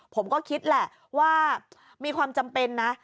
ผมก็คิดแหละว่ามีความจำเป็นนะ